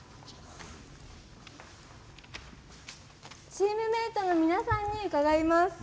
チームメートの皆さんに伺います。